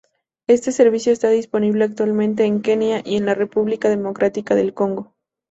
Este servicio está disponible actualmente en Kenia, y en la República Democrática del Congo.